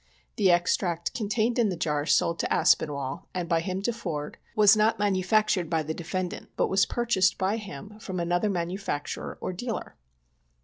The extract contained in the jars sold to Aspinwall, and by him to Foord, was not manufactured by the defendant, but was purchased by him from another manufacturer or dealer.